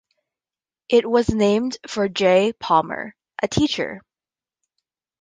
It was named for J. Palmer, a teacher.